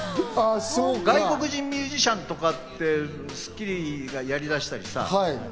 外国人ミュージシャンとかって『スッキリ』がやりだしたりさ。